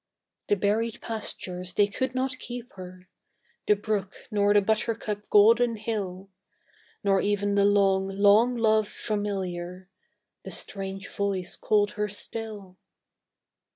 The berried pastures they could not keep her, The brook, nor the buttercup golden hill, Nor even the long, long love familiar, The strange voice called her still.